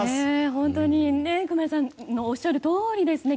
本当に熊谷さんのおっしゃるとおりですね。